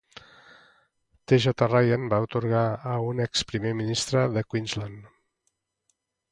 T. J. Ryan va atorgar a un ex-primer ministre de Queensland.